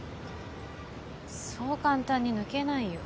そう簡単に抜けないよ。